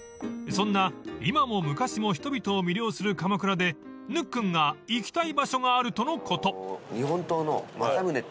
［そんな今も昔も人々を魅了する鎌倉でぬっくんが行きたい場所があるとのこと］